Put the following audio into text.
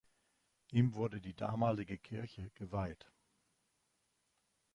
Ihm wurde die damalige Kirche geweiht.